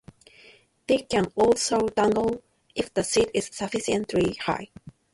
They can also dangle if the seat is sufficiently high.